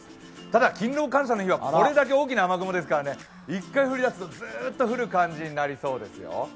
ただ勤労感謝の日はこれだけ大きな雨雲ですから一回降り出すとずーっと降る感じになりそうですよ。